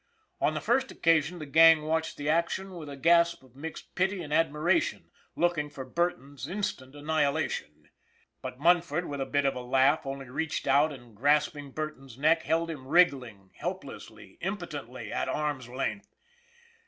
On the first occasion the gang watched the action with a gasp of mixed pity and admiration looking for Burton's in stant annihilation. But Munford, with a bit of a laugh, only reached out and grasping Burton's neck held him wriggling, helplessly, impotently, at arm's length.